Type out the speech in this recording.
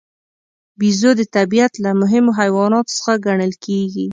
بیزو د طبیعت له مهمو حیواناتو څخه ګڼل کېږي.